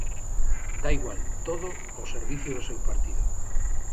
Dá igual, todo ao servizo do seu partido.